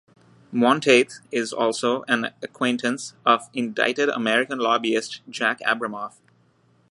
Monteith is also an acquaintance of indicted American lobbyist Jack Abramoff.